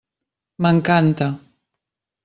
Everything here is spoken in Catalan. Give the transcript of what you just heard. M'encanta.